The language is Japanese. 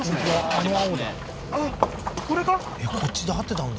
あの青だこっちで合ってたんだ